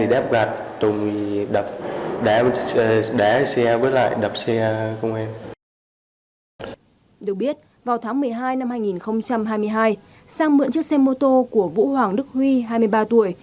được biết vào tháng một mươi hai năm hai nghìn hai mươi hai sang mượn chiếc xe mô tô của vũ hoàng đức huy hai mươi ba tuổi